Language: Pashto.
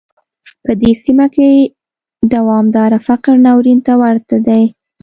په دې سیمه کې دوامداره فقر ناورین ته ورته دی.